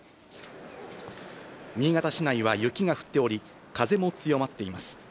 新潟市内は雪が降っており、風も強まっています。